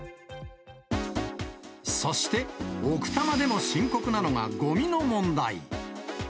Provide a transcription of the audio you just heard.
そして、奥多摩でも深刻なのがごみの問題。